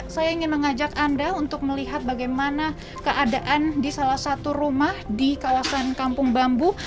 saya ingin mengajak anda untuk melihat bagaimana keadaan di salah satu rumah di kawasan kampung bambu